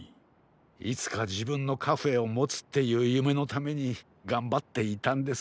いつかじぶんのカフェをもつっていうゆめのためにがんばっていたんです。